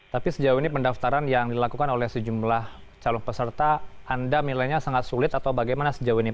tapi sejauh ini pendaftaran yang dilakukan oleh sejumlah calon peserta anda nilainya sangat sulit atau bagaimana sejauh ini